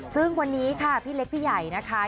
ซึ่งวันนี้ค่ะพี่เล็กพี่ใหญ่นะคะ